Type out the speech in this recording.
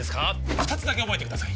二つだけ覚えてください